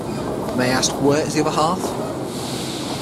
May I ask where is the other half?